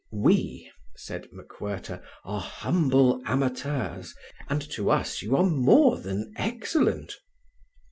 "We," said MacWhirter, "are humble amateurs, and to us you are more than excellent."